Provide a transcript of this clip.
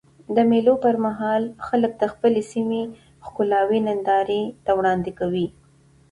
د مېلو پر مهال خلک د خپلي سیمي ښکلاوي نندارې ته وړاندي کوي.